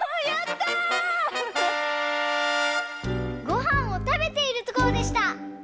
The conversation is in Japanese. ごはんをたべているところでした。